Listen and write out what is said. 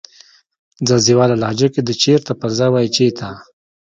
ځاځيواله لهجه کې د "چیرته" پر ځای وایې "چیته"